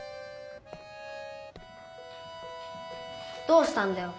どうしたんだよ？